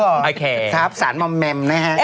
โอเคสารมมแมมนะฮะ